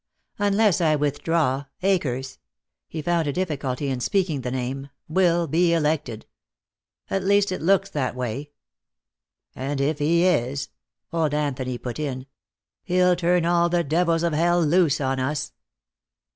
Unless I withdraw, Akers" he found a difficulty in speaking the name "will be elected. At least it looks that way." "And if he is," old Anthony put in, "he'll turn all the devils of hell loose on us."